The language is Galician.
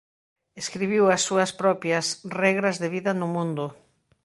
Escribiu as súas propias "Regras de Vida no Mundo".